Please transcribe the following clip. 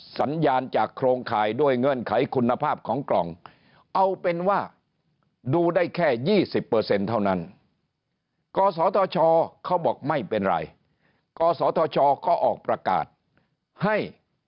สัญญาณจากโครงข่ายด้วยเงื่อนไขคุณภาพของกล่องเอาเป็นว่าดูได้แค่๒๐เท่านั้นกศธชเขาบอกไม่เป็นไรกศธชก็ออกประกาศให้